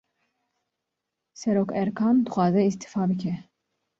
Serokerkan, dixwaze îstîfa bike